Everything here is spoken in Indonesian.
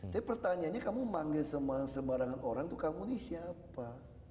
tapi pertanyaannya kamu manggil sembarangan orang tuh kamu ini siapa